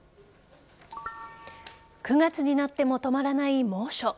９月になっても止まらない猛暑。